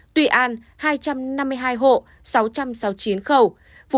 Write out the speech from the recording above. tuy an hai trăm năm mươi hai hộ sáu trăm sáu mươi chín khẩu